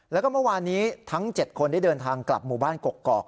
แล้วก็เมื่อวานนี้ทั้ง๗คนได้เดินทางกลับหมู่บ้านกกอก